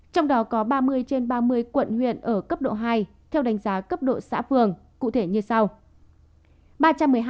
trong đó có ba mươi trên ba mươi quận huyện ở cấp độ hai theo đánh giá cấp độ xã phường cụ thể như sau